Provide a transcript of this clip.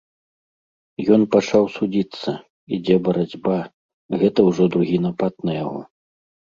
Ён пачаў судзіцца, ідзе барацьба, гэта ўжо другі напад на яго.